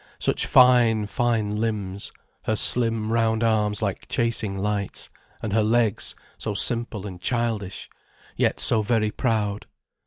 Such fine, fine limbs, her slim, round arms like chasing lights, and her legs so simple and childish, yet so very proud.